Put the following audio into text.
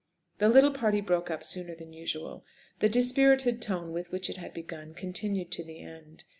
The little party broke up sooner than usual. The dispirited tone with which it had begun continued to the end.